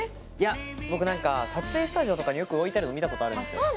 撮影スタジオとかによく置いてあるのを見たことあるんですよ。